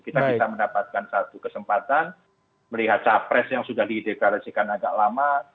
kita bisa mendapatkan satu kesempatan melihat capres yang sudah dideklarasikan agak lama